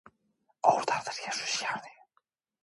위로하듯 하기도 한두 번이 아니었다.